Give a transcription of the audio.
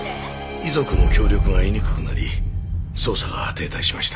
遺族の協力が得にくくなり捜査が停滞しました。